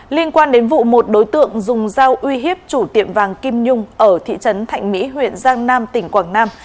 liên quan đến vụ một đối tượng dùng dao uy hiếp chủ tiệm vàng kim nhung ở thị trấn thạnh mỹ huyện giang nam tỉnh quảng nam